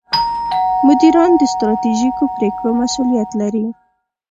مدیران د ستراتیژیکو پرېکړو مسوولیت لري.